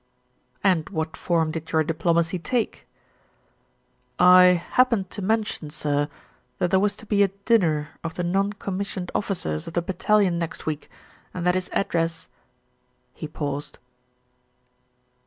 "And what form did your diplomacy take?" "I happened to mention, sir, that there was to be a dinner of the non commissioned officers of the battalion next week, and that his address " He paused.